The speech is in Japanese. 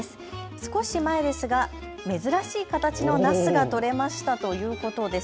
少し前ですが珍しい形のナスが取れましたということです。